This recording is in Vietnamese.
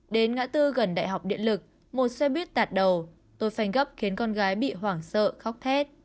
đến ngã tư gần đại học điện lực một xe buýt tạt đầu tôi phanh gấp khiến con gái bị hoảng sợ khóc thét